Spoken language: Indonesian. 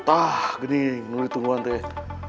tah gini menunggu tungguan teh